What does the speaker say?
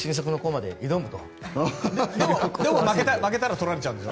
でも負けたら取られちゃうんでしょ。